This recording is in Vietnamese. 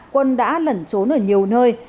quân đã lẩn trốn ở nhiều nơi